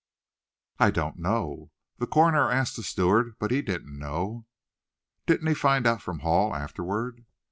"I don't know. The coroner asked the steward, but he didn't know." "Didn't he find out from Hall, afterward?"